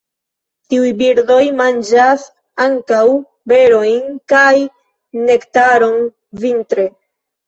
Tiuj birdoj manĝas ankaŭ berojn kaj nektaron vintre.